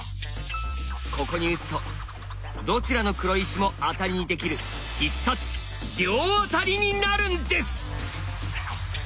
ここに打つとどちらの黒石もアタリにできる必殺「両アタリ」になるんです！